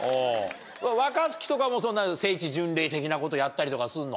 若槻とかも聖地巡礼的なことやったりとかするの？